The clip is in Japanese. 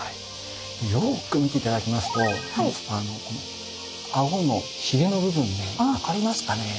よく見て頂きますとこの顎のヒゲの部分分かりますかね？